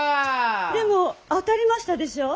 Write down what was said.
でも当たりましたでしょう？